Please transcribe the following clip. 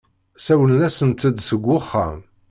Sawlen-asent-d seg wexxam.